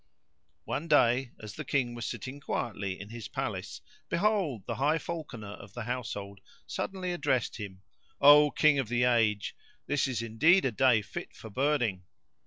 One day as the King was sitting quietly in his palace, behold, the high falconer of the household suddenly addressed him, "O King of the age, this is indeed a day fit for birding."